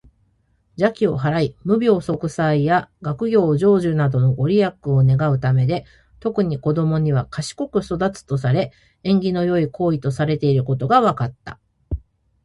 邪気を払い、無病息災や学業成就などのご利益を願うためで、特に子どもには「賢く育つ」とされ、縁起の良い行為とされていることが分かった。